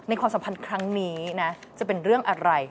ความสัมพันธ์ครั้งนี้นะจะเป็นเรื่องอะไร